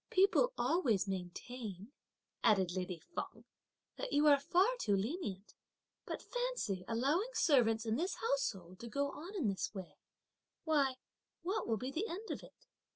"People always maintain," added lady Feng, "that you are far too lenient. But fancy allowing servants in this household to go on in this way; why, what will be the end of it?"